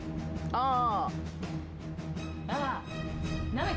ああ！